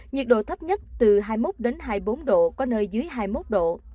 nhiệt độ thấp nhất từ hai mươi một hai mươi bốn độ có nơi dưới hai mươi một độ